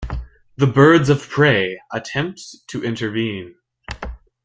The Birds of Prey attempt to intervene.